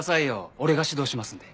俺が指導しますんで。